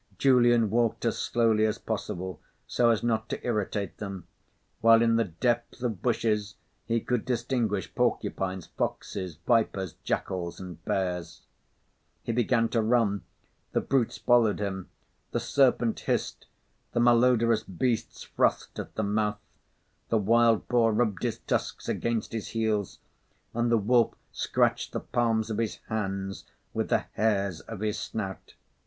Julian walked as slowly as possible, so as not to irritate them, while in the depth of bushes he could distinguish porcupines, foxes, vipers, jackals, and bears. He began to run; the brutes followed him. The serpent hissed, the malodorous beasts frothed at the mouth, the wild boar rubbed his tusks against his heels, and the wolf scratched the palms of his hands with the hairs of his snout.